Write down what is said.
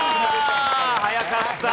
早かった。